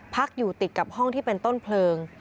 อยู่ติดกับห้องที่เป็นต้นเพลิง